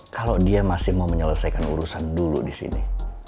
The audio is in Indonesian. kalau dia masih mau menyelesaikan urusan dulu di sini